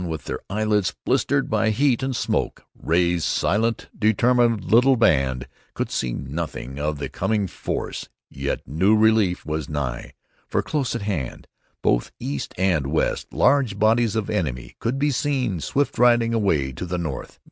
With their eyelids blistered by heat and smoke, Ray's silent, determined little band could see nothing of the coming force, yet knew relief was nigh; for, close at hand, both east and west, large bodies of the enemy could be seen swift riding away to the north.